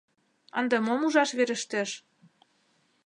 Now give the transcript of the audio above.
Ынде мом ужаш верештеш?